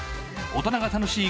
大人が楽しい！